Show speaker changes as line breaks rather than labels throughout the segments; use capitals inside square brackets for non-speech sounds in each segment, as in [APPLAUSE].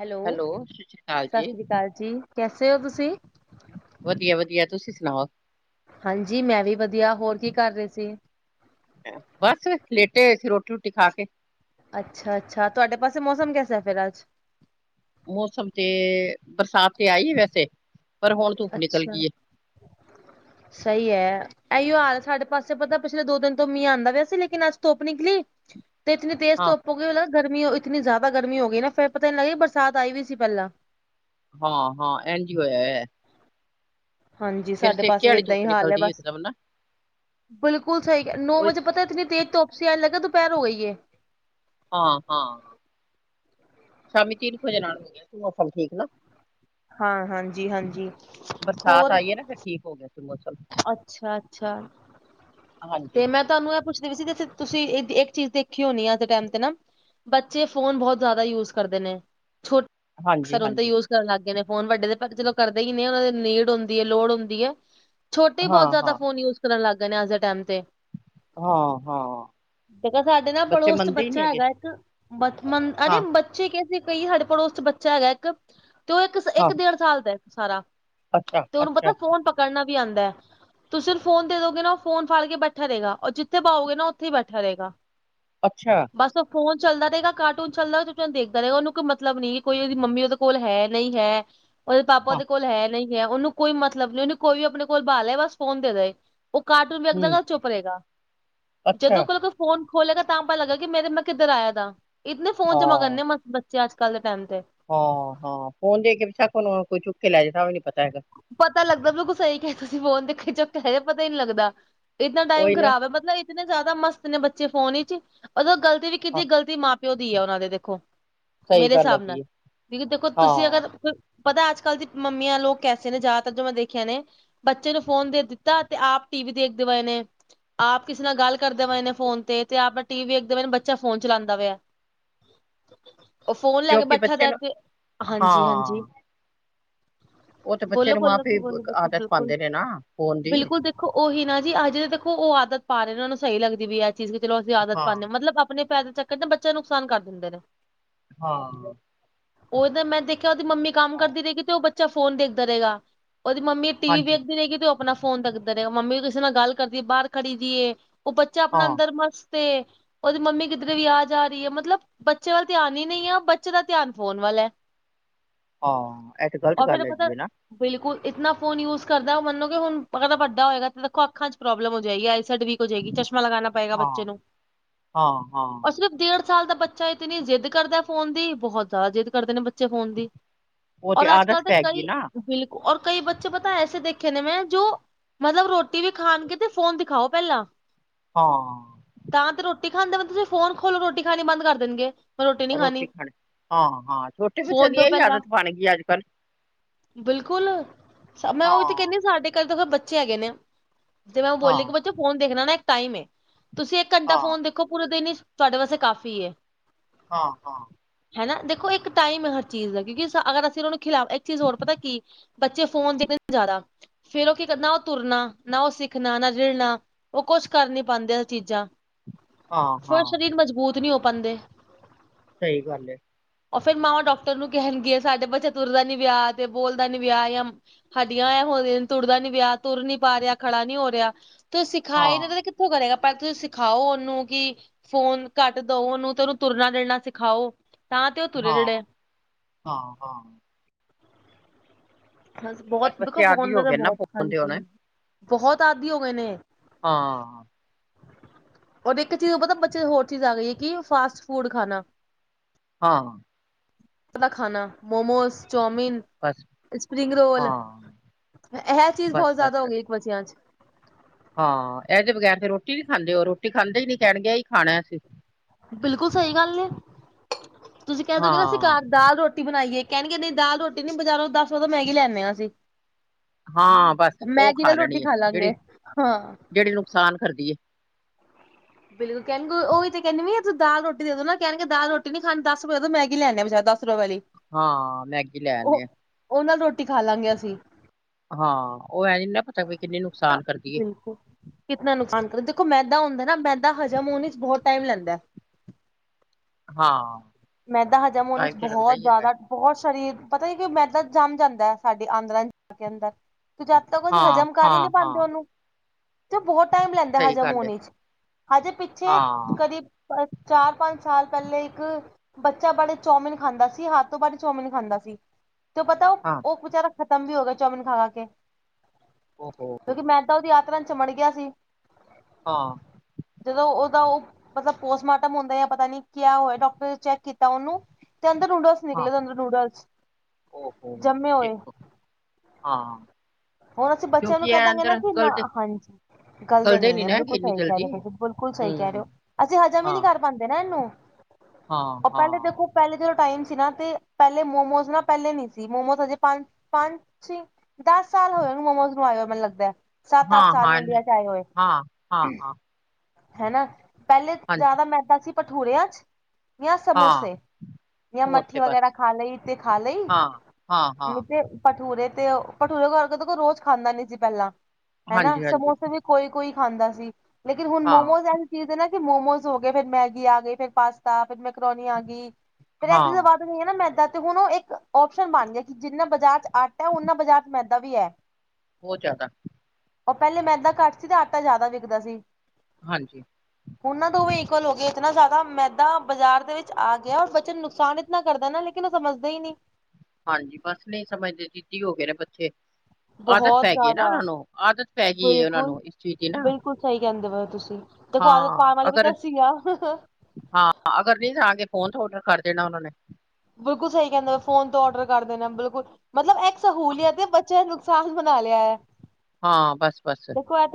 Hello,
ਸ਼੍ਰੀ ਅਕਾਲ
ਸਤਿ
ਜੀ
ਸ਼੍ਰੀ ਅਕਾਲ ਜੀ, ਕੈਸੇ ਹੋ ਤੁਸੀਂ?
ਵਧੀਆ-ਵਧੀਆ ਤੁਸੀਂ ਸੁਣਾਓ?
ਹਾਂਜੀ, ਮੈਂ ਵੀ ਵਧੀਆ ਹੋਰ ਕੀ ਕਰ ਰਹੇ ਸੀ?
ਹੈ ਬਸ, ਲੇਟੇ ਹੋਏ ਸੀ ਰੋਟੀ-ਰੋਟੀ ਖਾ ਕੇ
ਅੱਛਾ-ਅੱਛਾ ਤੁਹਾਡੇ ਪਾਸੇ ਮੌਸਮ ਕੈਸਾ ਫਿਰ ਅੱਜ।
ਮੌਸਮ ਤੇ, ਬਰਸਾਤ ਤੇ ਆਈ ਹੈ, ਵੈਸੇ ਪਰ ਹੁਣ ਧੁੱਪ ਨਿਕਲ
ਅੱਛਾ,
ਗਈ ਹੈ
ਸਹੀ ਹੈ ਇਹੀਓ ਹਾਲ ਸਾਡੇ ਪਾਸੇ ਪਤਾ ਪਿਛਲੇ ਦੋ ਦਿਨ ਤੋਂ, ਮੀਂਹ ਆਦਾ ਪਿਆ ਆ ਸੀ, ਲੇਕਿਨ ਅੱਜ ਧੁੱਪ ਨਿਕਲੀ ਤੇ ਇਤਨੀ ਤੇਜ਼
ਹਾਂ
ਤੁਪ ਹੋ ਗਈ, ਗਰਮੀ ਇਤਨੀ ਜ਼ਿਆਦਾ ਗਰਮੀ ਹੋ ਗਈ ਨਾ, ਫਿਰ ਪਤਾ ਨ ਨਈ ਲੱਗਿਆ ਬਰਸਾਤ ਆਈ ਵੀ ਸੀ ਪਹਿਲਾਂ
ਹਾਂ, ਹਾਂ, ਇੰਜ ਈ ਹੋਇਆ ਐ
ਹਾਂਜੀ, ਸਾਡੇ ਪਾਸੇ
ਵਾਲੀ
ਏਦਾਂ ਹੀ
ਧੁੱਪ
ਹਾਲ ਹੈ,
ਨਿਕਲਦੀ
ਬਸ
ਇੱਕਦਮ ਨਾ
ਬਿਲਕੁਲ ਸਹੀ ਹੈ, ਨੋ
ਉਹ
ਵਜੇ ਪਤਾ ਇਤਨੀ ਤੇਜ਼ ਧੁਪ ਸੀ, ਐ ਲਗਦਾ ਦੁਪਿਹਰ ਹੋ ਗਈ ਏ,
ਹਾਂ -ਹਾਂ ਸ਼ਾਮੀ ਤੀਨ ਵਜੇ ਨਾਲ, ਮੌਸਮ ਠੀਕ ਨਾ,
ਹਾਂ ਹਾਂਜੀ ਹਾਂਜੀ
ਬਰਸਾਤ
ਹੋਰ
ਆਈ ਹੈ ਨਾ, ਫਿਰ ਠੀਕ ਹੋ ਗਿਆ ਸੀ, ਮੌਸਮ
ਅੱਛਾ- ਅੱਛਾ
ਹਾਂਜੀ
ਤੇ, ਮੈਂ ਤੁਹਾਨੂੰ ਇਹ ਪੁੱਛ ਤੁਸੀਂ ਇੱਕ ਚੀਜ਼ ਦੇਖੀ ਹੋਣੀ ਐਟੇ ਟਾਈਮ ਤੇ ਨਾ, ਬੱਚੇ ਫੋਨ ਬਹੁਤ ਜ਼ਿਆਦਾ ਯੂਜ ਕਰਦੇ ਨੇ, ਛੋਟੇ
ਹਾਂਜੀ
ਅਕਸਰ ਤੇ
ਹਾਂਜੀ
ਯੂਜ ਲੱਗ ਗਏ ਨੇ, ਫੋਨ ਵੱਡੇ ਦੇ ਪਰ ਚਲੋ ਕਰਦੇ ਹੀ ਨਈ, ਉਹਨਾਂ ਦੇ ਨੀਡ ਹੁੰਦੀ ਆ, ਲੋੜ ਹੁੰਦੀ ਐ ਛੋਟੇ,
ਹਾਂ
ਬਹੁਤ ਜ਼ਿਆਦਾ
ਹਾਂ
ਫੋਨ ਯੂਜ ਕਰਨ ਲੱਗ ਗਏ ਨੇ, ਅਜ ਦੇ ਟਾਈਮ ਤੇ,
ਹਾਂ- ਹਾਂ।
ਦੇਖੋ ਸਾਡੇ ਨਾ,
ਬੱਚੇ
ਪੜੋਸ ਚ਼
ਮੰਨਦੇ ਹੀ ਨਹੀਂ
ਬੱਚਾ
ਹੈਗੇ
ਹੈਗਾ ਇੱਕ ਬਚਮਨ ਅਰੇ
ਹਾਂ
ਠੀਕ ਏ ਬਈ, ਸਾਡੇ ਪੜੋਸ ਚ ਬੱਚਾ ਹੈਗਾ, ਉਹ ਇੱਕ-
ਹਾਂ
ਇੱਕ ਡੇਢ ਸਾਲ ਦਾ ਸਾਰਾ
ਅੱਛਾ
ਤੇ ਉਹਨੂੰ
ਅੱਛਾ
ਪਤਾ ਫੋਨ, ਪਕੜਨਾ ਵੀ ਆਦਾ ਤੁਸੀਂ ਫੋਨ ਦੇ ਦੋਗੇ ਨਾ ਫੋਨ ਫੜ ਕੇ ਬੈਠਾ ਰਹੇਗਾ, ਔਰ ਜਿੱਥੇ ਬਾਓਗੇ ਨਾ, ਉੱਥੇ ਹੀ ਬੈਠਾ ਰਹੇਗਾ।
ਅੱਛਾ।
ਬਸ ਉਹ ਫੋਨ ਚੱਲਦਾ ਰਹੇਗਾ, ਕਾਰਟੂਨ ਚੱਲਦਾ ਦੇਖਦਾ ਰਹੇ ਗਾ ਉਹਨੂੰ ਕੋਈ ਮਤਲਬ ਨਹੀਂ ਕੋਈ ਉਹਦੀ ਮੰਮੀ ਉਹ ਕੋਲ ਹੈ, ਨਹੀਂ ਹੈ। ਉਹਦੇ ਪਾਪਾ
ਹਾਂ
ਦੇ ਕੋਲ ਹੈ, ਨਹੀਂ ਹੈ, ਉਹਨੂੰ ਕੋਈ ਮਤਲਬ ਨਈ ਉਹਨੂੰ ਕੋਈ ਆਪਣੇ ਕੋਲ ਬਾ ਲੇ ਬਸ ਫੋਨ ਦੇਦੇ ਉਹ ਕਾਰਟੂਨ ਵੇਖਦਾ
ਹਮ
ਨਾ ਚੁੱਪ ਰਹੇਗਾ, ਜਦੋਂ
ਅੱਛਾ
ਕੋਲ ਕੋ ਫ਼ੋਨ ਖੋਲੇਗਾ ਤਾਂ ਪਤਾ ਲੱਗਏਗਾ ਕਿ, ਮੇਰੇ ਮੈਂ ਕਿਧਰ ਆਇਆ ਦਾ, ਇਤਨੇ ਫੋਨ ਚ ਮਗਨ ਨੇ ਮਤਲ ਅੱਜ- ਕੱਲ੍ਹ ਦੇ ਟਾਈਮ ਤੇ,
ਹਾਂ, ਹਾਂ ਫੋਨ ਦੇ ਕੇ ਬੇਸ਼ਕ, ਉਨੂੰ ਕੋਈ ਚੁੱਕ ਕੇ ਲੈ ਜਾਂਦਾ ਉ ਵੀ ਨੀ ਪਤਾ ਹੈਗਾ
ਪਤਾ ਲੱਗਦਾ ਬਿਲਕੁਲ ਸਹੀ ਕਿਹਾ ਹਿ, ਤੁਸੀਂ ਫੋਨ ਤੇ ਚ ਕਹਿ ਰੇ, ਪਤਾ ਹੀ ਨੀ ਲੱਗਦਾ ਇਨਾ ਟਾਈਮ
ਉਹੀ ਨਾ
ਖਰਾਬ ਹੈ, ਮਤਲਬ ਇੰਨੇ ਜ਼ਿਆਦਾ ਮਸਤ ਬੱਚੇ ਫੋਨ ਵਿਚ, ਅਗਰ ਗਲਤੀ ਵੀ
ਹਾਂ
ਕੀਤੀ ਗਲਤੀ ਮਾਂ ਪਿਓ ਦੀ ਆ ਉਹਨਾਂ ਦੇ ਦੇਖੋ,
ਸਹੀ
ਮੇਰੇ
ਗੱਲ
ਹਿਸਾਬ ਨਾਲ
ਹੈਗੀ ਹੈ
ਕਿਉਂਕਿ ਤੁਸੀਂ
ਹਾਂ
ਅਗਰ ਪਤਾ, ਅੱਜ -ਕੱਲ੍ਹ ਦੀ ਮੰਮੀਆਂ ਨੂੰ, ਕੈਸੇ ਨੇ ਜਿਆਦਾਤਰ ਜੋ ਮੈਂ ਦੇਖਿਆ ਨੇ, ਬੱਚੇ ਨੂੰ ਫੋਨ ਦੇ ਦਿੱਤਾ, ਤੇ ਆਪ ਟੀ ਵੀ ਦੇਖਦੇ ਹੋਏ ਨੇ, ਆਪ ਕਿਸੇ ਨਾਲ ਗੱਲ ਕਰਦੇ ਵਾ, ਇਹਨੇ ਫੋਨ ਤੇ, ਆਪਣਾ ਟੀ ਵੀ ਵਖਦੇ, ਬੱਚਾ ਫੋਨ ਚਲਾਦਾ ਪਿਆ ਉਹ ਫੋਨ ਲੈ ਕੇ
ਕਿਉਂਕਿ
ਬੈਠਾਂ
ਬੱਚੇ
ਦਾ
ਨੂੰ
ਤੇ, ਹਾਂਜੀ- ਹਾਂਜੀ
ਹਾਂ ਉਹ ਤੇ ਬੱਚੇ
ਬੋਲੋ-
ਨੂੰ
ਬੋਲੋ
ਮਾਂ-ਪਿਓ
ਕੀ
ਈ
ਬੋਲੋ, ਦੇਖੁੋ
ਆਦਤ
ਬਿਲਕੁਲ -ਬਿਲਕੁਲ
ਪਾਉਂਦੇ ਨੇ ਨਾ ਫੋਨ ਦੀ
ਬਿੱਲਕੁਲ ਦੇੋ, ਦੇੋ ਉਹੀ ਨਾ ਜੀ, ਅੱਜ ਦੇਖੋ ਉਹ ਆਦਤ ਪਾ ਰਹੇ ਨੇ, ਉਹਨਾਂ ਨੂੰ ਸਹੀ ਲੱਗਦੀ ਅੱਜ ਚੀਜ਼ ਚਲੋ ਅਸੀਂ ਆਦਤ ਪਾ, ਦੇ ਮਤਲਬ ਆਪਣੇ ਪੈਰ ਚੱਕ ਕੇ ਤੇ ਬੱਚੇ ਨੂੰ ਨੁਕਸਾਨ ਕਰ ਦਿੰਦੇ ਨੇ,
ਹਾਂ
ਉਹਦਾ ਮੈਂ ਦੇਖਿਆ ਉਹਦੀ ਮੰਮੀ ਕੰਮ ਕਰਦੀ ਰਏਗੀ ਤੇ ਉਹ ਬੱਚਾ ਫੋਨ ਦੇਖਦਾ ਰਹੇਗਾ ਉਹਦੀ ਮੰਮੀ ਟੀ ਵੀ
ਹਾਂਜੀ
ਵੇਖਦੀ ਰਏਗੀ ਤੇ ਉਹ ਆਪਣਾ ਫੋਨ ਤਕਦਾ ਰੇਗਾ ਮੰਮੀ ਕਿਸੇ ਨਾਲ ਗੱਲ ਕਰਦੀ ਬਾਰ ਖੜੀ ਜਈ ਏ। ਓ ਬੱਚਾ ਆਪਣਾ ਅੰਦਰ ਮਸਤ ਉਹਦੀ ਮੰਮੀ ਕਿੱਧਰੇ ਵੀ ਆ ਜਾ ਰਈ ਹੈ ਮਤਲਬ ਬੱਚੇ ਵੱਲ ਧਿਆਨ ਹੀ ਨਈ ਆ ਬੱਚੇ ਦਾ ਧਿਆਨ ਫ਼ੋਨ ਵੱਲ ਐ।
ਹਾਂ
ਉਹ ਫਿਰ ਪਤਾ ਬਿਲਕੁਲ ਇਤਨਾ ਫੋਨ ਯੂਜ ਕਰਦਾ ਓ ਮੰਨੋ ਕਿ ਹੁਣ ਅਗ ਤਾਂ ਵੱਡਾ ਹੋਏਗਾ ਦੇਖੋ ਅੱਖਾਂ ਵਿੱਚ ਪ੍ਰੋਬਲਮ ਹੋ ਜਾਏਗੀ ਆਈਸੈਡ ਵੀਕ ਹੋ ਜਾਏਗੀ ਚਸ਼ਮਾ ਲਗਾਣਾ ਪਏਗਾ ਬੱਚੇ ਨੂੰ
ਹਾਂ-ਹਾਂ-ਹਾਂ
ਉਸਨ ਡੇਢ ਸਾਲ ਦਾ ਬੱਚਾ ਇਤਨੀ ਜਿੱਦ ਕਰਦਾ ਫੋਨ ਦੀ ਬਹੁਤ ਜਾਦਾ ਜਿੱਦ ਕਰਦੇ ਨੇ ਬ ਚੇ ਫੋਨ ਹੁੰਦੀ
ਉਹ ਤੇ
ਔਰ ਅੱਜ ਕੱਲ੍ਹ
ਆਦਤ
ਦੇ
ਪੈ ਗਈ
ਕਈ
ਨਾ
ਬਿਲਕੁਲ ਕਈ ਬੱਚੇ ਪਤਾ ਐਸੇ ਦੇਖੇ ਨੇ ਮੈਂ ਜੋ ਮਤਲਬ ਰੋਟੀ ਵੀ ਖਾਣਗੇ ਤੇ ਫੋਨ ਦਿਖਾਓ ਪੈਲਾਂ
ਹਾਂ
ਤਾਂ ਤੇ ਰੋਟੀ ਖਾਂਦੇ ਮ ਤੁਸੀਂ ਫੋਨ ਖੋਲੋ ਰੋਟੀ ਖਾਣੀ ਬੰਦ ਕਰ ਦੇਣਗੇ।
ਰੋਟੀ ਖਾਣੀ ਹਾਂ-ਹਾਂ ਛੋਟੇ ਬੱਚੇ
ਫੋਨ
ਦੀ
ਦੋ
ਇਹ
ਪਹਿਲਾਂ
ਆਦਤ ਬਣਗੀ ਅੱਜ ਕੱਲ
ਬਿਲਕੁਲ ਸ ਮੈਂ ਉਹੀ ਤੇ ਕੈਂਦੀ ਸਾਡੇ ਘਰ ਤਾਂ ਫਿਰ ਬੱਚੇ ਹੈਗੇ ਨੇ ਤੇ ਮੈਂ ਉਹ ਬੋਲੀ ਕਿ ਫੋਨ ਦੇਖਣਾ ਨਾ ਇੱਕ ਟਾਈਮ ਏ ਤੁਸੀਂ ਇੱਕ ਘੰਟਾ ਫੋਨ
ਹਾਂ-ਹਾਂ-ਹਾਂ-ਹਾਂ-ਹਾਂ-ਹਾਂ-ਹਾਂ
ਦੇਖੋ ਪੂਰਾ ਦਿਨ ਹੀ ਤੁਹਾਡੇ ਵਾਸੇ ਕਾਫੀ ਏ।
ਹਾਂ-ਹਾਂ
ਹੈਨਾ ਦੇਖੋ ਇੱਕ ਟਾਈਮ ਹੈ ਹਰ ਚੀਜ਼ ਦਾ ਕਿਉਂਕਿ ਅਗਰ ਅਸੀਂ ਉਹਨਾਂ ਨੂੰ ਖਿਲਾਫ਼ ਇੱਕ ਚੀਜ਼ ਹੋਰ ਪਤਾ ਕੀ ਬੱਚੇ ਫੋਨ ਤੇ ਬਿਜੀ ਨੇ ਜਾਦਾ ਫੇਰ ਓ ਕੀ ਨਾ ਓ ਤੁਰਨਾ ਨਾ ਓ ਸਿੱਖਣਾ ਨਾ ਰਿਰਣਾ ਓ ਕੁਛ ਕਰ ਨੀ ਪਾਂਦੇ ਹਰ ਚੀਜ਼ਾਂ ਫਿਰ ਸਰੀਰ ਮਜ਼ਬੂਤ ਨਹੀਂ ਹੋ ਪਾਂਦੇ।
ਸਹੀ ਗੱਲ ਏ।
ਉਹ ਫਿਰ ਮਾਵਾਂ ਡਾਕਟਰ ਨੂੰ ਕੈਂਣਗੇ ਸਾਡੇ ਬੱਚਾ ਤੁਰਦਾ ਨੀ ਪਿਆ ਤੇ ਬੋਲਦਾ ਨੀ ਪਿਆ ਜਾਂ ਹੱਡੀਆਂ ਐ ਹੋਆਂ ਨੇ ਤੁਰਦਾ ਨੀ ਪਿਆ ਤੁਰ ਨੀ ਪਾ ਰਿਆ ਖੜਾ ਨੀ ਹੋ ਰਿਆ ਤੇ
ਹਾਂ
ਸਿਖਾਏ ਨੇ ਤੁ ਕੋ ਕਰੇਗਾ ਪਰ ਤੁਸੀਂ ਸਿਖਾਓ ਉਹਨੂੰ ਕਿ ਫੋਨ ਕੱਟ ਦਓ ਉਹਨੂੰ ਤੇ ਉਹਨੂੰ ਤੁਰਨਾ ਰਿੜਣਾ ਸਿਖਾਓ ਤਾਂ ਤੇ ਓ ਤੁਰੇ ਰਿੜੇ
ਹਾਂ-ਹਾਂ
ਹਾਂਂਜੀ
ਬਸ
ਬੋਤ ਦੇਖੋ
ਬੱਚੇ ਆਦਿ
ਫੋਨ ਦਾ
ਹੋ
ਤਾਂ
ਗਏ ਨਾ
ਬੋਤ
ਫੋਨ ਦੇ
ਹਾਂਜੀ
ਹੁਣ।
ਹ ਬੋਤ ਆਦਿ ਹੋ ਗਏ ਨੇ।
ਹਾਂ
ਔਰ ਇੱਕ ਚੀਜ਼ ਨੂੰ ਪਤਾ ਕੀ ਬੱਚੇ ਚੇ ਹੋਰ ਚੀਜ਼ ਆ ਗਈ ਹੈ ਕਿ ਫਾਸਟ ਫੂਡ ਖਾਣਾ।
ਹਾਂ
ਦਾ ਖਾਣਾ ਮੋਮੋਸ ਚੋਮਿਨ
ਬਸ
ਸਪਰਿੰਗ ਰੋਲ
ਹਾਂ।
ਇਹ ਚੀਜ਼
ਬਸ
ਬੋਤ ਜਾਦਾ
ਬਸ
ਹੋ ਗਈ ਇੱਕ ਬੱਚਿਆਂ 'ਚ
ਹਾਂ ਇਹਦੇ ਬਗੈਰ ਤੇ ਰੋਟੀ ਵੀ ਖਾਂਦੇ ਹੋ ਰੋਟੀ ਖਾਂਦੇ ਹੀ ਨਈ ਕਹਿਣਗੇ ਇਹੀ ਖਾਣਾ ਅਸੀਂ
ਬਿਲਕੁਲ ਸਹੀ ਗੱਲ ਏ ਤੁਸੀਂ ਕੈ ਦੋਗੇ ਨਾ ਅਸੀ
ਹਾਂ।
ਦਾਲ ਰੋਟੀ ਰੋਟੀ ਬਣਾਈਏ ਕੈਣਗੇ ਨੀ ਦਾਲ ਰੋਟੀ ਨੀ ਬਜ਼ਾਰੋਂ ਦਸ ਰੁਪਏ ਦੇ ਦੋ ਮੈਗੀ ਲੈਂਣੇ ਹ ਅਸੀਂ
ਹਾਂ ਬਸ ਉਹ
ਮੈਗੀ ਨਾਲ ਰੋਟੀ
ਲੈਣੀ ਹੈ
ਖਾ
ਜਿਹੜੀ
ਲਾਂਗੇ ਹਾਂ।
ਜਿਹੜੀ ਨੁਕਸਾਨ ਕਰਦੀ ਏ।
ਬਿਲਕੁਲ ਕੈਂਣ ਓਹੀ ਤੇ ਕੈਂਣੀ ਵੀ ਤੂੰ ਦਾਲ ਰੋਟੀ ਦੇ ਦੋ ਨਾ ਕੈਂਣ ਦਾਲ ਰੋਟੀ ਨੀ ਖਾਣੀ ਦਸ ਰੁਪਏ ਮੈਗੀ ਲੈਣੇ ਆ ਬਾਜਾਰੋ ਦਸ ਰੁਪਏ ਆਲੀ
ਹਾਂ ਮੈਗੀ ਲੈ ਆਣੇ ਆ।
ਉਹ ਨਾਲ ਰੋਟੀ ਖਾ ਲਾਂਗੇ ਅਸੀਂ
ਹਾਂ ਉਹ ਏ ਈ ਨਾ ਫਿਰ ਤ ਵੀ ਕਿੰਨੇ ਨੁਕਸ
[UNINTELLIGIBLE] ਬਿਲਕੁਲ ਕਿਤਨਾ ਨੁਕਸਾਨ ਦੇਖੋ ਮੈਦਾ ਹੁੰਦਾ ਨਾ ਮੈਦਾ ਹਜ਼ਮ ਹੋਣ ਚੇ ਬਹੁਤ ਟਾਈਮ ਲੈਂਦਾ।
ਹਾਂ।
ਮੈਦਾ ਹਜਮ ਹੋਨ ਇਚ
ਟਾਈਮ ਤੇ ਲੱਗਦਾ
ਬਹੁਤ
ਹੀ ਹੈਗਾ
ਜ਼ਾਦਾ ਬਹੁਤ ਸਰੀਰ ਪਤਾ ਨਹੀਂ ਕਿ ਮੈਦਾ ਜੰਮ ਜਾਂਦਾ ਐ ਸਾਡੀ ਆਂਦਰਾ ਦੇ ਅੰਦਰ ਤੂੰ ਜਦ ਤੱਕ ਉਹਸੀਂ
ਹਾਂ
ਹਜ਼ਮ ਕਰ ਹੀ ਨਹੀਂ
ਹਾਂ
ਪਾਂਦੇ
ਹਾਂ
ਉਹਨੂੰ ਤੇ ਬਹੁਤ ਟਾਈਮ ਲੈਂਦਾ
ਸਹੀ
ਹਜਮ
ਗੱਲ
ਹੋਨ
ਏ।
ਇਚ ਹਜੇ ਪਿੱਛੇ
ਹਾਂ
ਕਦੀ ਅ ਚਾਰ-ਪੰਜ ਸਾਲ ਪਹਿਲੇ ਇੱਕ ਬੱਚਾ ਬੜੇ ਚੋਮਿਨ ਖਾਂਦਾ ਸੀ ਹੱਦ ਤੋਂ ਬਦ ਚੋਮਿਨ ਖਾਂਦਾ ਸੀ ਤੇ ਪਤਾ ਉਹ
ਹਾਂ।
ਉਹ ਵਚਾਰਾ ਖਤਮ ਵੀ ਹੋ ਗਿਆ, ਚੋਮਿਨ ਖਾ-ਖਾ ਕੇ
ਓਹੋ
ਕਿਉਂਕਿ ਮੈ ਉਹਦੀ ਆਤਰਾ ਚ ਚਮੜ ਗਿਆ ਸੀ।
ਹਾਂ।
ਜਦੋਂ ਉਹਦਾ ਉਹ ਮਤਲਬ ਪੋਸਟਮਾਰਟਮ ਹੁੰਦਾ ਆ ਪਤਾ ਨੀ ਕਿਆ ਹੋਇਆ ਡਾਕਟਰ ਚੈੱਕ ਕੀਤਾ ਉਹਨੂੰ ਤੇ ਅੰਦਰ ਨੂਡਲਸ
ਹਾਂ
ਨਿਕਲੇ, ਅੰਦਰ ਨੂਡਲਸ
ਓਹੋ
ਜੰਮੇ ਹੋਏ।
ਦੇਖੋ ਹਾਂ।
ਹੁਣ ਅਸੀਂ ਬੱਚਿਆਂ
ਕਿਉਂਕਿ
ਨੂੰ
ਇਹ
ਕਹਿ ਦਾਂਗੇ ਨਾ
ਅੰਦਰ
ਕਿ ਨਾ
ਗਲਦੇ
ਹਾਂਜੀ। ਗੱਲ ਦੇ
ਗਲਦੇ
ਨਈਂ
ਨੀ
ਨੇ
ਨਾ ਹੈਗੇ
ਬਿਲਕੁਲ
ਇੰਨੀ
ਸਹੀ ਕਹਿ
ਜਲਦੀ।
ਰਹੇ ਹੋ ਤੁਸੀਂ ਬਿਲਕੁਲ ਸਹੀ ਕਹਿ ਰਹੇ
ਹੂੰ,
ਔ। ਅਸੀਂ ਹਜਮ ਈ ਨੀ
ਹਾਂ,
ਕਰ ਪਾਂਦੇ ਨਾਂ ਇਹਨੂੰ,
ਹਾਂ,
ਉਹ ਪਹਿਲੇ
ਹਾਂ।
ਦੇਖੋ ਪਹਿਲੇ ਜਦੋਂ ਟਾਈਮ ਸੀ ਨਾ ਤੇ ਪਹਿਲੇ ਮੋਮੋਜ਼ ਨਾ ਪਹਿਲੇ ਨੀ ਸੀ, ਮੋਮੋਸ ਹਜੇ ਪੰਜ, ਪੰਜ ਛੀ ਦੱਸ ਸਾਲ ਹੋਏ [UNINTELLIGIBLE] ਮੋਮੋਸ ਨੂੰ ਆਏ ਹੋਏ ਮੈਨੂੰ ਲੱਗਦਾ। ਸੱਤ-ਅੱਠ
ਹਾਂ,
ਸਾਲ
ਹਾਂ,
ਇੰਡੀਆ
ਨਹੀਂ,
ਚ ਆਏ ਹੋਏ।
ਹਾਂ, ਹਾਂ, ਹਾਂ,
ਹਨਾਂ, ਪਹਿਲੇ
ਹਾਂਜੀ,
ਜ਼ਿਆਦਾ ਮੈਦਾ ਸੀ ਭਠੂੂਰਿਆਂ ਚ ਜਾਂ
ਹਾਂ।
ਸਮੋਸੇ ਜਾਂ
ਸਮੋਸੇ
ਮੱਠੀ ਵਗੈਰਾ
ਬਸ।
ਖਾ ਲਈ ਤੇ ਖਾ ਲਈ।
ਹਾਂ, ਹਾਂ
ਨਹੀਂ
ਹਾਂ।
ਤੇ ਭਠੂਰੇ ਤੇ ਭਠੂਰੇ ਘਰਕੇ ਤੇ ਕੋਈ ਰੋਜ਼ ਖਾਂਦਾ ਨੀ ਸੀ ਪਹਿਲਾਂ ਹੇਨਾ
ਹਾਂਜੀ, ਹਾਂਜੀ,
ਸਮੋਸੇ ਵੀ ਕੋਈ-ਕੋਈ ਖਾਂਦਾ ਸੀ, ਲੇਕਿਨ ਹੁਣ
ਹਾਂ,
ਮੋਮੋਸ ਐਂ ਚੀਜ਼ ਨਾ ਕਿ ਮੋਮੋਜ਼ ਹੋ ਗਏ, ਫਿਰ ਮੈਗੀ ਆ ਗਈ, ਫਿਰ ਪਾਸਤਾ, ਫਿਰ ਮੈਂਕਰੋਨੀ ਆ ਗਈ ਫਿਰ ਇਸ ਚੀਜ਼ਾਂ
ਹਾਂ,
ਵਧ [UNINTELLIGIBLE] ਨਾ ਮੈਦਾ ਤੇ ਹੁਣ ਉਹ ਇੱਕ ਆਪਸ਼ਨ ਬਣ ਗਿਆ ਕਿ ਜਿੰਨਾ ਬਾਜ਼ਾਰ ਚ ਆਟਾ ਉਹਨਾ ਬਾਜ਼ਾਰ ਚ ਮੈਦਾ ਵੀ ਐ।
ਬੌਤ ਜਿਆਦਾ।
ਉਹ ਪਹਿਲੇ ਮੈਦਾ ਘੱਟ ਸੀ ਤੇ ਆਟਾ ਜ਼ਿਆਦਾ ਵਿਕਦਾ ਸੀ।
ਹਾਂਜੀ।
ਹੁਣ ਨਾ ਦੋਵੇਂ ਇਕੁਅਲ ਹੋ ਗਏ ਇਤਨਾ ਜ਼ਿਆਦਾ ਮੈਦਾ ਬਾਜ਼ਾਰ ਦੇ ਵਿੱਚ ਆ ਗਿਆ ਬੱਚੇ ਨੁਕਸਾਨ ਕਿਤਨਾ ਕਰਦਾ ਏਨਾ ਲੇਕਿਨ ਇਹ ਸਮਝਦੇ ਈ ਨਈਂ।
ਹਾਂਜੀ ਬਸ ਨਈਂ ਸਮਝਦੇ ਦੀਦੀ ਹੋ ਗਏ ਨੇ ਬੱਚੇ। ਆਦਤ
ਬਹੁਤ
ਪੈ ਗਈ ਐ ਨਾ
ਜ਼ਿਆਦਾ
ਉਹਨਾਂ ਨੂੰ, ਆਦਤ ਪੈ ਗਈ ਉਹਨਾਂ
ਬਿਲਕੁਲ
ਨੂੰ ਇਸ ਚੀਜ਼ ਦੀ ਨਾ।
ਬਿਲਕੁਲ ਸਹੀ ਕਹਿੰਦੇ ਨੇ ਔ ਤੁਸੀਂ, ਦੇਖੋ ਆਦਤ
ਹਾਂ
ਪਾਣ ਵਾਲੇ ਵੀ
ਅਗਰ
ਤਾਂ ਅਸੀਂ ਆਂ।
ਹਾਂ ਅਗਰ ਨਈਂ ਜਾਕੇ ਫੋਨ ਚ ਆਰਡਰ ਕਰ ਦੇਣਾ ਉਹਨਾਂ ਨੇ।
ਬਿਲਕੁਲ ਸਹੀ ਕਹਿੰਦੇ ਫੋਨ ਤੋਂ ਔਡਰ ਕਰਦੇਨਾ ਬਿਲਕੁਲ ਮਤਲਬ ਇੱਕ ਸਹੂਲੀਅਤ ਬੱਚਿਆਂ ਨੂੰ [UNINTELLIGIBLE] ਬਣਾ ਲਿਆ ਆ।
ਹਾਂ ਬਸ ਬਸ।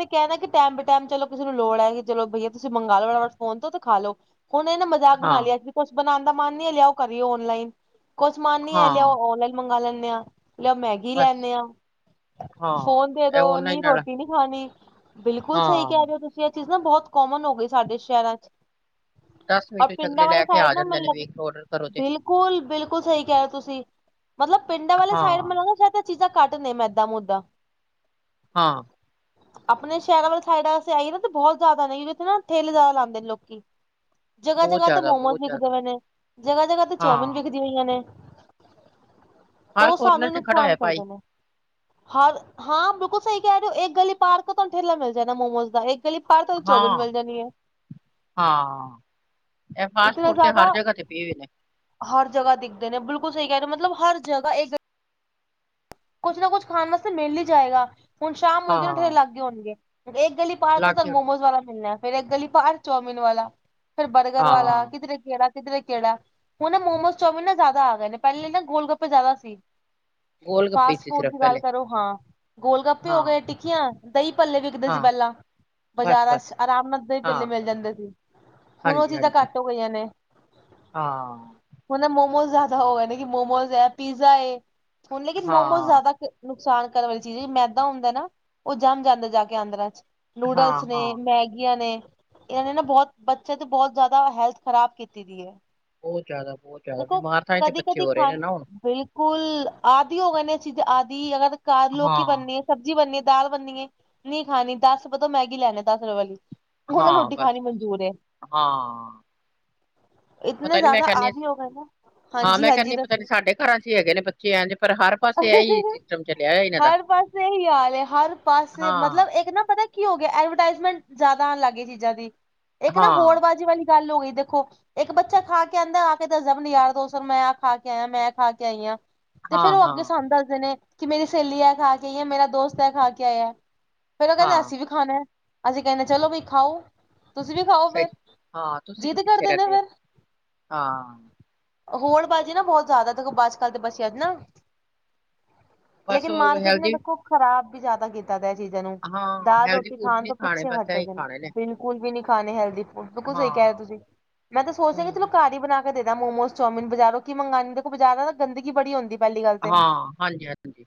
ਕਹਿੰਣਾ ਕਿ ਟਾਈਮ ਬੇ ਟਾਈਮ ਚੱਲੋ ਕਿਸੇ ਨੂੰ ਲੋੜ ਐ ਕਿ ਚਲੋ ਭਈਆ ਤੁਸੀਂ ਮੰਗਵਾ ਲਓ ਫੋਨ ਤੋਂ ਤੇ ਖਾ ਲਓ ਹੁਣ ਇਹਨਾਂ ਮਜ਼ਾਕ
ਹਾਂ
ਬਣਾ ਲਿਆ ਕਿ ਕੁਛ ਬਣਾਉਣ ਦਾ ਮਨ ਨੀ ਐ, ਲਿਆਓ ਕਰੀਓ ਔਨਲਾਈਨ, ਕੁਛ ਮਨ ਨੀ ਐ ਲਿਆਓ
ਹਾਂ
ਔਨਲਾਈਨ। ਮੰਗਵਾ ਲੈਂਦੇ ਹਾਂ ਲਿਆਓ ਮੈਗੀ
ਬਸ
ਲੈਦੇ ਆ
ਹਾਂ
ਫੋਨ ਦੇ
ਇਹ
ਦਿਉ ਨੀ
ਔਨਲਾਈਨ ਨਾਲ
ਰੋਟੀ ਨੀ ਹਾਂਜੀ ਬਿਲਕੁਲ ਸਹੀ
ਹਾਂ,
ਕਹਿ ਰਹੇ ਹੋ ਤੁਸੀਂ ਇਹ ਚੀਜਾਂ ਨਾ ਬਹੁਤ ਕੋਮਨ ਹੋ ਗਈ ਸਾਡੇ ਸ਼ਹਿਰਾਂ ਚ।
ਦਸ
ਔਰ
ਮਿੰਟ ਚ
ਪਿੰਡਾਂ
ਅਗਲੇ
ਵਾਲੇ
ਲੈ ਕੇ
ਸਾਈਡ
ਆ
ਨਾ
ਜਾਂਦੇ
ਮੈਨੂੰ
ਨੇ
ਲੱਗਦਾ
ਬਈ ਇਕ ਔਡਰ ਕਰੋ। ਤੇ
ਬਿਲਕੁਲ ਬਿਲਕੁਲ ਸਹੀ ਕਹਿ ਰਹੇ ਹੋ ਤੁਸੀਂ ਮਤਲਬ ਪਿੰਡਾਂ ਵਾਲੇ
ਹਾਂ।
ਸਾਈਡ ਮੈਨੂੰ ਲੱਗਾ ਸ਼ਾਇਦ ਚੀਜ਼ਾਂ ਘੱਟ ਨੇ ਮੈਂਦਾਂ ਮੁਦਾ।
ਹਾਂ।
ਆਪਣੇ ਸ਼ਹਿਰਾਂ ਵਾਲੀ ਸਾਈਡ ਵੇ ਆਈ ਨਾ ਤੇ ਬਹੁਤ ਜ਼ਿਆਦਾ ਨੇ ਜੇ ਉੱਥੇ ਨਾ ਠੇਲੇ ਜ਼ਿਆਦਾ ਲਾਂਦੇ ਲੋਕੀ। ਜਗ੍ਹਾ
ਬਹੁਤ
ਜਗ੍ਹਾ ਤੇ
ਜ਼ਿਆਦਾ
ਮੋਮੋਸ
ਬਹੁਤ
ਵਿਕਦੇ
ਜ਼ਿਆਦਾ
ਪਏ ਨੇ। ਜਗ੍ਹਾ ਜਗ੍ਹਾ ਤੇ ਚੌਮਿਨ
ਹਾਂ,
ਵਿਕਦੀਆਂ ਪਈਆਂ ਨੇ। ਤੇ
ਹਰ
ਉਹ
ਕੋਰਨਰ
ਸਾਨੂੰ
ਤੇ ਖੜਾ ਹੈ
ਨੁਕਸਾਨ
ਭਾਈ
ਕਰਦੇ ਨੇ। ਹਰ ਹਾਂ ਬਿਲਕੁਲ ਸਹੀ ਕਹਿ ਰਹੇ ਹੋ। ਇੱਕ ਗੱਲੀ ਪਾਰ ਕੇ ਤੁਹਾਨੂੰ ਠੇਲਾ ਮਿਲ ਜਾਏਣਾ ਮੋਮੋਜ਼ ਦਾ। ਗੱਲੀ ਪਾਰ ਤੁਹਾਨੂੰ ਚੌਮੀਨ
ਹਾਂ।
ਮਿਲ ਜਾਣੀ ਹੈ।
ਹਾਂ ਇਹ ਫਾਸਟ
ਇਤਨਾ
ਫੂਡ ਤੇ ਹਰ
ਜ਼ਿਆਦਾ
ਜਗ੍ਹਾ ਤੇ ਪਏ ਹੋਏ ਨੇ।
ਹਰ ਜਗ੍ਹਾ ਦਿਖਦੇ ਨੇ ਬਿਲਕੁਲ ਸਹੀ ਕਹਿ ਰਹੇ ਮਤਲਬ ਹਰ ਜਗ੍ਹਾ ਇਕ। ਕੁੱਛ ਨਾ ਕੁਛ ਖਾਣ ਵਾਸਤੇ ਮਿਲ ਹੀ ਜਾਏਗਾ ਹੁਣ ਸ਼ਾਮ ਹੋ ਗਏ ਨਾ ਠੇਲੇ
ਹਾਂ
ਲੱਗ ਗਏ ਹੋਣਗੇ ਗੱਲੀ ਪਾਰਕ ਕੋਲ ਤਾਂ
ਲਾਗੇ
ਤੁਹਾਨੂੰ
ਹੋਣੇ
ਮੋਮੋਜ਼ ਵਾਲਾ ਮਿਲਣਾ ਫੇਰ ਗੱਲੀ ਪਾਰ ਚੋਮਿਨ ਵਾਲਾ, ਫੇਰ ਬਰਗਰ ਵਾਲਾ
ਹਾਂ।
ਕਿੱਧਰੇ ਕਿਹੜਾ ਕਿਧਰੇ ਕਿਹੜਾ ਹੁਣ ਨਾ ਮੋਮੋਸ, ਚੋਮਿਨ ਨਾ ਜ਼ਿਆਦਾ ਆ ਗਏ ਨੇ ਪਹਿਲੇ ਨਾ ਗੋਲ ਗੱਪੇ ਜ਼ਿਆਦਾ ਸੀ।
ਗੋਲ ਗੱਪੇ
ਫਾਸਟ
ਸੀ
ਫੂਡ
ਸਿਰਫ
ਦੀ ਗੱਲ
ਪਹਿਲੇ
ਕਰੋ ਹਾਂ ਗੋਲ ਗੱਪੇ ਹੋ
ਹਾਂ
ਗਏ, ਟਿੱਕੀਆਂ। ਦਹੀਂ ਭੱਲੇ ਵਿਕਦੇ ਸੀ
ਹਾਂ
ਪਹਿਲਾਂ
ਬਸ
ਬਜ਼ਾਰਾਂ ਚ
ਬਸ
ਆਰਾਮ ਨਾਲ ਦਹੀਂ ਪੱਲੇ
ਹਾਂ
ਮਿਲ ਜਾਂਦੇ ਸੀ। ਹੁਣ ਉਹ
ਹਾਂਜੀ
ਚੀਜ਼ਾਂ
ਹਾਂਜੀ।
ਘੱਟ ਹੋ ਗਈਆਂ ਨੇ।
ਹਾਂ।
ਹੁਣ ਮੋਮੋ ਜ਼ਿਆਦਾ ਹੋ ਗਏ ਮੋਮੋਜ਼ ਹੈ, ਪਿਜ਼ਾ ਏ ਹੁਣ ਲੇਕਿਨ ਮੋਮੋਜ
ਹਾਂ
ਜ਼ਿਆਦਾ ਨੁਕਸਾਨ ਕਰਨ ਵਾਲੀ ਚੀਜ਼ ਮੈਦਾ ਹੁੰਦਾ ਨਾ, ਉਹ ਜੰਮ ਜਾਂਦਾ ਜਾ ਕੇ ਅੰਦਰ ਆਨਦਰਾਂ ਚ।
ਹਾਂ
ਨੂਡਲਸ ਨੇ
ਹਾਂ।
ਮੈਗੀਆਂ ਨੇ। ਇਹਨਾਂ ਨੇ ਨਾ ਬਹੁਤ ਬੱਚਿਆਂ ਦੀ ਬਹੁਤ ਜ਼ਿਆਦਾ ਹੈਲਥ ਖਰਾਬ ਕੀਤੀ ਦੀ ਏ।
ਬਹੁਤ ਜ਼ਿਆਦਾ ਬਹੁਤ ਜ਼ਿਆਦਾ ਬਿਮਾਰ ਤਾਂਈ ਤੇ ਬੱਚੇ ਹੋ ਰਹੇ ਨੇ ਨਾ ਹੁਣ।
ਸਕੁਲ ਆਦਿ ਹੋ ਕਹਿੰਦੇ, ਇਹ ਚੀਜ਼ ਆਦਿ ਅਗਰ ਕ ਲੋਕ
ਹਾਂ।
ਬਣਨੇ। [UNINTELLIGIBLE] ਸਬਜ਼ੀ ਬਣਨੀਏ ਦਾਲ ਬਣਨੀਏ ਨੀ ਖਾਣੀ ਦਸ ਰੁਪਏ ਤੋਂ ਮੈਗੀ ਲੈਣੇ ਦਸ ਰੁਪਏ ਵਾਲੀ। ਹੁਣ
ਹਾਂ
ਰੋਟੀ ਖਾਣੀ
ਬਸ ਬਸ
ਮਨਜੂਰ ਏ।
ਹਾਂ
ਇਤਨਾ
ਪਤਾ ਨੀ ਮੈਂ
ਜ਼ਿਆਦਾ
ਕਹਿੰਦੀ
ਆਦਿ ਹੋ ਗਏ ਨਾ
ਹਾਂ
ਹਾਂਜੀ-
ਮੈਂ
ਹਾਂਜੀ
ਕਹਿੰਦੀ ਪਤਾ
ਦੱਸੋ।
ਨੀ ਸਾਡੇ ਘਰਾਂ ਚ ਹੀ ਹੈਗੇ ਨੇ ਬੱਚੇ ਇੰਜ ਪਰ ਹਰ। ਪਾਸੇ ਇਹੀ ਸਿਸਟਮ ਚਲਿਆ ਹੋਇਆ ਇਹਨਾਂ ਦਾ
ਹਰ ਪਾਸੇ ਇਹੀ ਹਾਲ ਏ ਹਰ ਪਾਸੇ
ਹਾਂ
ਮਤਲਬ ਇੱਕ ਨਾ ਪਤਾ। ਕੀ ਹੋ ਗਿਆ ਐਡਵਰਟਾਈਜ਼ਮੈਂਟ ਜ਼ਿਆਦਾ ਆਉਣ ਲੱਗ ਗਈ ਚੀਜ਼ਾਂ ਦੀ ਇੱਕ ਨਾ ਹੋੜ
ਹਾਂ
ਬਾਜ਼ੀ ਵਾਲੀ ਗੱਲ ਹੋ ਗਈ ਦੇਖੋ। ਇੱਕ ਬੱਚਾ ਖਾ ਕੇ ਆਉਂਦਾ ਆ ਕੇ ਦਸਦਾ ਮੈ ਯਾਰ ਦੋਸਤ ਮੈਂ ਆ ਖਾ ਕੇ ਆਇਆ ਮੈਂ ਖਾ ਕੇ ਆਈ ਹਾਂ। ਤੇ ਫੇਰ
ਹਾਂ
ਉਹ ਅੱਗੇ
ਹਾਂ
ਸਾਨੂੰ ਦੱਸਦੇ ਨੇ ਕਿ ਮੇਰੀ ਸਹੇਲੀ ਇਹ ਖਾ ਕੇ ਆਈ ਮੇਰਾ ਦੋਸਤ ਇਹ ਖਾ ਕੇ ਆਇਆ। ਫੇਰ ਉਹ ਕਹਿੰਦੇ
ਹਾਂ
ਅਸੀਂ ਵੀ ਖਾਣਾ ਅਸੀਂ ਕਹਿੰਦੇ ਚਲੋ ਬਈ ਖਾਓ। ਤੁਸੀਂ ਵੀ ਖਾਓ
ਸਹੀ
ਫੇਰ
ਹਾਂ ਤੁਸੀਂ
ਜਿੱਦ
ਕਿਉਂ ਪਿੱਛੇ
ਕਰਦੇ ਨੇ
ਰਹਿੰਦੇ ਹੋ
ਫਿਰ।
ਹਾਂ
ਹੋਰ ਬਾਜੀ ਨਾ ਬਹੁਤ ਜ਼ਿਆਦਾ ਦੇਖੋ ਅੱਜ- ਕੱਲ ਤੇ ਬਚਿਆ ਚ ਨਾ।
ਬਸ
ਲੇਕਿਨ
ਉਹ
ਮਾਰਕੀਟ ਨੇ
ਹੈਲਦੀ
ਦੇਖੋ ਖ਼ਰਾਬ ਵੀ ਜ਼ਿਆਦਾ ਕੀਤਾ ਪਿਆ ਚੀਜ਼ਾਂ ਨੂੰ।
ਹਾਂ
ਦਾਲ
ਹੈਲਦੀ
ਰੋਟੀ
ਫੂਡ
ਖਾਣ
ਨੀ
ਤੋਂ
ਖਾਣੇ
ਪਿੱਛੇ
ਬਸ
ਹਟੇ
ਇਹੀ
ਦੇ ਨੇ।
ਖਾਣੇ
ਬਿਲਕੁਲ ਵੀ ਨਹੀਂ ਖਾਣੇ ਹੈਲਦੀ ਫੂਡ ਬਿਲਕੁਲ ਸਹੀ
ਹਾਂ
ਕਹਿ ਰਹੇ ਤੁਸੀਂ, ਮੈਂ ਤਾਂ ਸੋਚਦਾ
ਉਹੀ
ਚਲੋ
ਨਾ
ਘਰ ਹੀ ਬਣਾ ਕੇ। ਦੇਨਾ ਮੋਮੋਸ ਚੋਮਨ ਬਜ਼ਾਰੋਂ ਕੀ ਮੰਗਉਦੇ ਦੇਖੋ ਬਾਜ਼ਾਰ ਗੰਦਗੀ ਬੜੀ ਹੰਦੀ।
ਹਾਂ, ਹਾਂਜੀ- ਹਾਂਜੀ।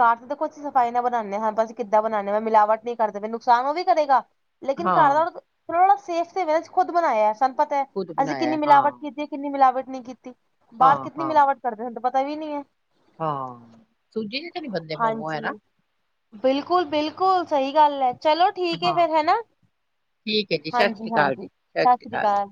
ਘਰ ਦੇਖੋ ਅਸੀਂ ਸਫ਼ਾਈ ਨਾ ਬਣਾਉਂਦੇ ਹਾਂ ਹ, ਅਸੀਂ ਕਿਦਾਂ ਬਣਾਉਂਦੇ ਹਾਂ ਮਿਲਵਟ ਨਹੀਂ ਕਰਦੇ ਨੁਕਸਾਨ ਉਹ ਵੀ ਕਰੇਗਾ। ਲੇਕਿਨ ਘਰ
ਹਾਂ
ਦਾ ਥੋੜਾ ਥੋੜਾ ਸੇਫ ਤੇ ਖੁਦ ਬਣਾਇਆ ਸਾਨੂੰ ਪਤਾ ਹੈ
ਖੁਦ
ਅਸੀਂ ਕਿੰਨੀ
ਬਣਾਇਆ ਹਾਂ
ਮਿਲਾਵਟ ਕੀਤੀ। ਕਿੰਨੀ ਮਿਲਾਵਟ ਨਹੀਂ ਕੀਤੀ,
ਹਾਂ
ਬਾਹਰ ਕਿੱਨੀ
ਹਾਂ
ਮਿਲਾਵਟ ਕਰਦੇ ਹੁੰ ਤਾਂ ਪਤਾ ਵੀ ਨਹੀਂ ਹੈ।
ਹਾਂ, ਸੂਜੀ ਦੇ ਤੇ ਨੀ ਬਨਦੇ ਮੋਮੋ ਹੈ ਨਾ।
ਹਾਂਜੀ ਬਿਲਕੁਲ -ਬਿਲਕੁਲ ਸਹੀ ਗੱਲ ਹੈ, ਚਲੋ। ਠੀਕ ਹੈ
ਹਾਂ
ਫੇਰ ਹੈਨਾ,
ਠੀਕ ਹੈ ਜੀ ਸਤਿ
ਹਾਂਜੀ-
ਸ੍ਰੀ ਅਕਾਲ
ਹਾਂਜੀ
ਜੀ
ਸਤਿ ਸ੍ਰੀ ਅਕਾਲ।